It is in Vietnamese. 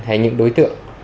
hay những đối tượng